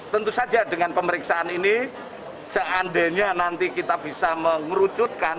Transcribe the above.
tentu saja dengan pemeriksaan ini seandainya nanti kita bisa mengerucutkan